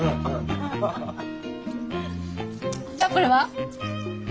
じゃこれは？